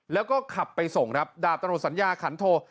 แล้วก็ขับไปส่งครับดาบตำรวจสัญญาขันโท